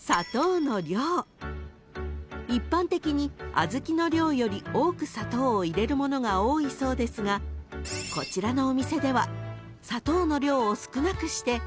［一般的に小豆の量より多く砂糖を入れるものが多いそうですがこちらのお店では砂糖の量を少なくして］